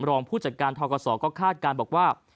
รองผู้จัดการทกศก็คาดการณ์บอกว่า